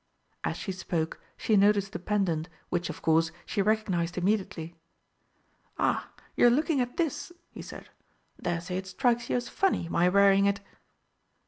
As she spoke she noticed the pendant, which, of course, she recognised immediately. "Ah, you're looking at this," he said. "Daresay it strikes you as funny my wearing it?"